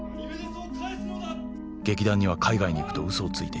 ［劇団には海外に行くと嘘をついていた］